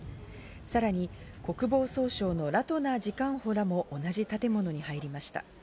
さらに国防総省のラトナー次官補らも同じ建物に入りました。